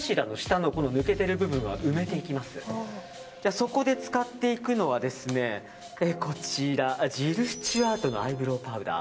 そこで使っていくのはジルスチュアートのアイブローパウダー。